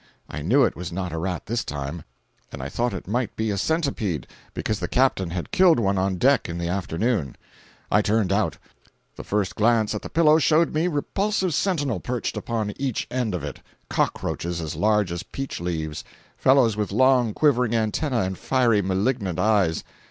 I knew it was not a rat this time, and I thought it might be a centipede, because the Captain had killed one on deck in the afternoon. I turned out. The first glance at the pillow showed me repulsive sentinel perched upon each end of it—cockroaches as large as peach leaves—fellows with long, quivering antennae and fiery, malignant eyes.